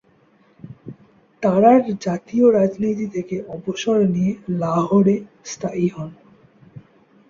তারার জাতীয় রাজনীতি থেকে অবসর নিয়ে লাহোরে স্থায়ী হন।